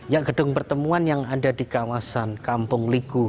ya gedung pertemuan yang ada di kawasan kampung ligu